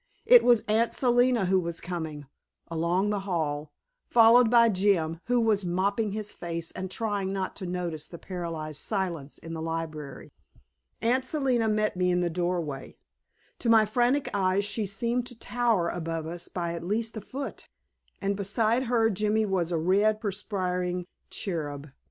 It was Aunt Selina who was coming along the hall, followed by Jim, who was mopping his face and trying not to notice the paralyzed silence in the library. Aunt Selina met me in the doorway. To my frantic eyes she seemed to tower above us by at least a foot, and beside her Jimmy was a red, perspiring cherub.